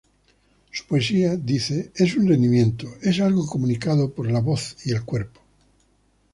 Su poesía, dice, es un rendimiento, es algo comunicado por la voz y cuerpo.